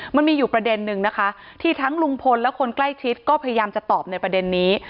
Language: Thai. มันมีอยู่ประเด็นนึงนะคะที่ทั้งลุงพลและคนใกล้ชิดก็พยายามจะตอบในประเด็นนี้